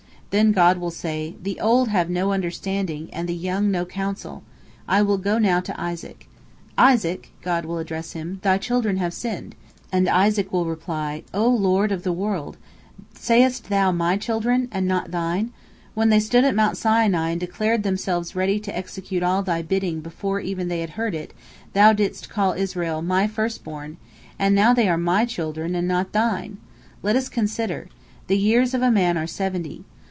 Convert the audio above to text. Then God will say: "The old have no understanding, and the young no counsel. I will now go to Isaac. Isaac," God will address him, "thy children have sinned," and Isaac will reply: "O Lord of the world, sayest Thou my children, and not THINE? When they stood at Mount Sinai and declared themselves ready to execute all Thy bidding before even they heard it, Thou didst call Israel 'My first born,' and now they are MY children, and not THINE! Let us consider. The years of a man are seventy.